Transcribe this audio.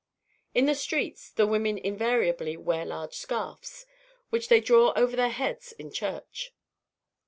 In the streets, the women invariably wear large scarfs, which they draw over their heads in church.